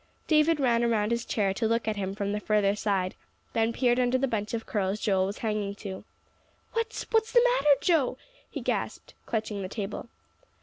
David ran around his chair to look at him from the further side, then peered under the bunch of curls Joel was hanging to. "What's what's the matter, Joe?" he gasped, clutching the table.